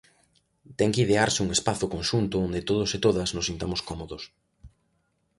Ten que idearse un espazo conxunto onde todos e todas nos sintamos cómodos.